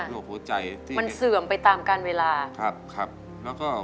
โรคหัวใจที่มันเสื่อมไปตามกันเวลาแล้วก็